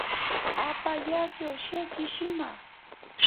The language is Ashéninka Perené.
Apa yake osheki shima.